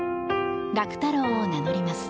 楽太郎を名乗ります。